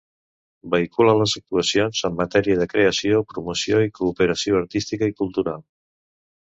Vehicula les actuacions en matèria de creació, promoció i cooperació artística i cultural.